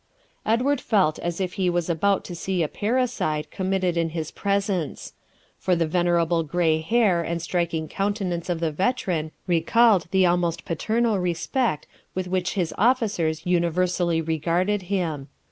Edward felt as if he was about to see a parricide committed in his presence; for the venerable grey hair and striking countenance of the veteran recalled the almost paternal respect with which his officers universally regarded him.